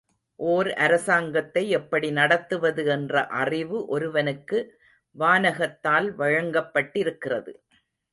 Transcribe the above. ஓர் அரசாங்கத்தை எப்படி நடத்துவது என்ற அறிவு ஒருவனுக்கு வானகத்தால் வழங்கப்பட்டிருக்கிறது.